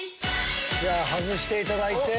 外していただいて。